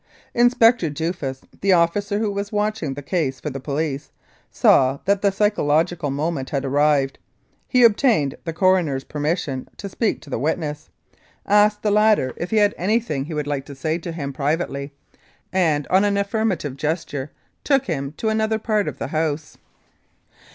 Inspector Duffus, the officer who was watching the case for the police, saw that the psychological moment had arrived he obtained the coroner's permission to speak to the witness, asked the latter if he had anything 238 The Tucker Peach Murder he would like to say to him privately, and, on an affirmative gesture, took him to another part of the house.